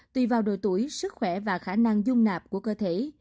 tùy vào độ tuổi sức khỏe và khả năng dung nạp của cơ thể